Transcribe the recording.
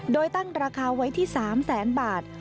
โดยตั้งราคาไว้ที่๓แสนบาท